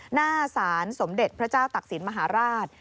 หน้าศาลสมเด็จพระเจ้าตักศิลป์มหาราช